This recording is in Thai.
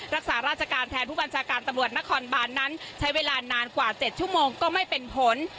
รักษาราชการแทนผู้บัญชาการตำรวจนครบานนั้นใช้เวลานานกว่า๗ชั่วโมงก็ไม่เป็นผล